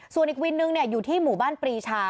ส่วนอีกวินนึงอยู่ที่หมู่บ้านปรีชา